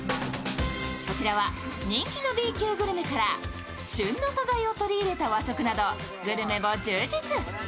こちらは人気のＢ級グルメから旬の素材を取り入れた和食などグルメも充実。